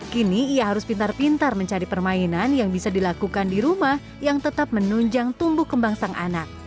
kini ia harus pintar pintar mencari permainan yang bisa dilakukan di rumah yang tetap menunjang tumbuh kembang sang anak